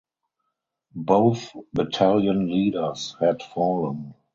Both battalion leaders had fallen.